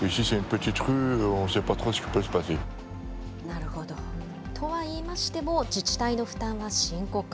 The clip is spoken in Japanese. なるほど。とはいいましても、自治体の負担は深刻。